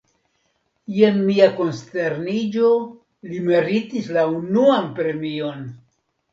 Je mia konsterniĝo, li meritis la unuan premion!